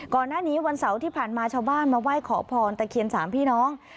ก่อนหน้านี้วันเสาร์ที่ผ่านมาชาวบ้านมาไหว้ขอพรตะเคียนสามพี่น้อง